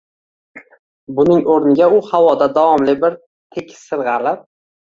Buning o‘rniga u havoda davomli bir tekis sirg‘alib